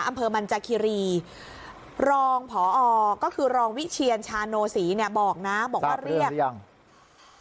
อำเภอมันจากคิรีรองพอก็คือรองวิเชียนชาโนศรีเนี่ยบอกนะบอกว่าเรียกยัง